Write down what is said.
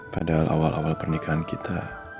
pada awal awal pernikahan kita